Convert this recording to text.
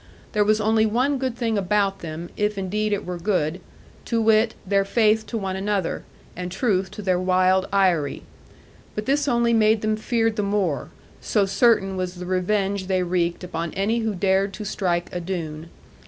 There was only one good thing about them, if indeed it were good, to wit, their faith to one another, and truth to their wild eyry. But this only made them feared the more, so certain was the revenge they wreaked upon any who dared to strike a Doone.